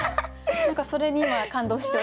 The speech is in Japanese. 何かそれに今感動して。